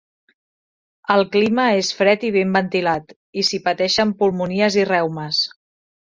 El clima és fred i ben ventilat, i s'hi pateixen pulmonies i reumes.